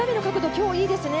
今日はいいですね。